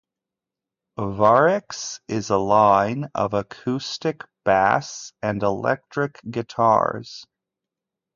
Variax is a line of acoustic, bass and electric guitars.